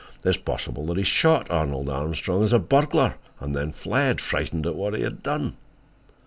It is possible that he shot Arnold Armstrong as a burglar and then fled, frightened at what he had done.